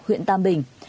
huyện tam bình